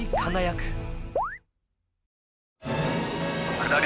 下り